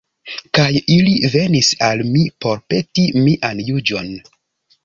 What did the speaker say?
Kaj ili venis al mi por peti mian juĝon.